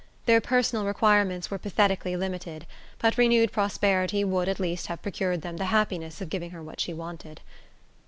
Their personal requirements were pathetically limited, but renewed prosperity would at least have procured them the happiness of giving her what she wanted.